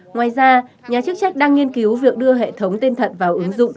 ngoài ra nhà chức trách đang nghiên cứu việc đưa hệ thống tên thật vào ứng dụng